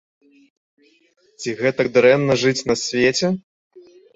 Ці гэтак дрэнна жыць на свеце?